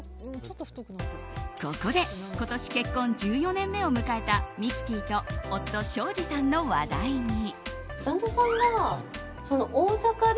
ここで今年、結婚１４年目を迎えたミキティと夫・庄司さんの話題に。